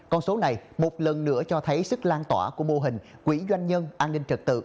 con số này một lần nữa cho thấy sức lan tỏa của mô hình quỹ doanh nhân an ninh trật tự